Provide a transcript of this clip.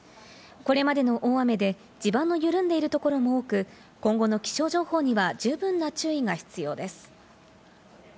これまでの大雨で地盤の緩んでいるところも多く、今後の気象情報には十分な注意が必要です。